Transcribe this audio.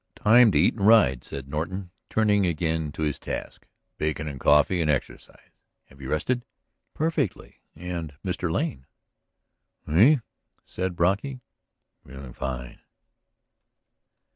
"Time to eat and ride," said Norton, turning again to his task. "Bacon and coffee and exercise. Have you rested?" "Perfectly. And Mr. Lane?" "Me?" said Brocky. "Feeling fine."